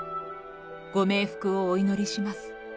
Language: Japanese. ご冥福をお祈りします。